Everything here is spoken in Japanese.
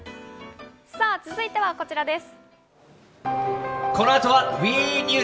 続いてはこちらです。